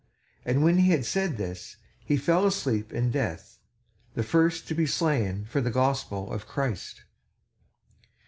And when he had said this, he fell asleep in death, the first to be slain for the gospel of Christ.